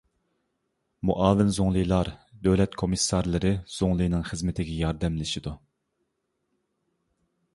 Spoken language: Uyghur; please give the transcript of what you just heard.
مۇئاۋىن زۇڭلىلار، دۆلەت كومىسسارلىرى زۇڭلىنىڭ خىزمىتىگە ياردەملىشىدۇ.